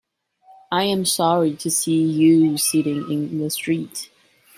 I am sorry to see you sitting in the street.